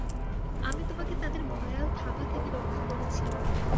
আমি তোমাকে তাদের ভয়াল থাবা থেকে রক্ষা করেছি।